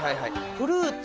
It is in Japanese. フルーツ